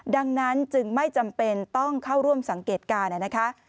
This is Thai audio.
ดังนั้นจึงไม่จำเป็นต้องเข้าร่วมสังเกตการณ์นะคะ